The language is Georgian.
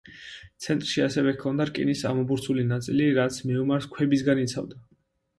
ცენტრში ასევე ჰქონდა რკინის ამობურცული ნაწილი, რაც მეომარს ქვებისგან იცავდა.